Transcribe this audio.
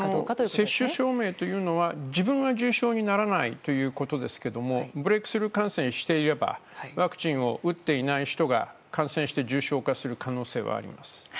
接種証明というのは自分は重症にならないということですけどもブレークスルー感染していればワクチンを打っていない人が感染して重症化する可能性はあります。